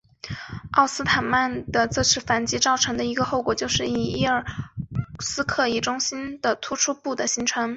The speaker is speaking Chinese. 曼施坦因的这次反击造成的一个后果就是以库尔斯克为中心的突出部的形成。